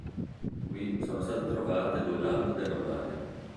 Qui sono state trovate due lampade romane.